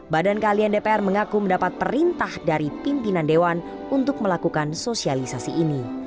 badan kalian dpr mengaku mendapat perintah dari pimpinan dewan untuk melakukan sosialisasi ini